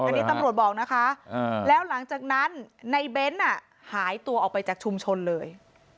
อันนี้ตำรวจบอกนะคะแล้วหลังจากนั้นในเบ้นหายตัวออกไปจากชุมชนเลย